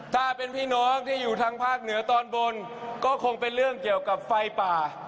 ถ้าเป็นพี่น้องที่อยู่ทางภาคเหนือตอนบนก็คงเป็นเรื่องเกี่ยวกับไฟป่า